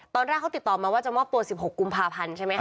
ตอนแรกเขาติดต่อมาว่าจะมอบตัว๑๖กุมภาพันธ์ใช่ไหมคะ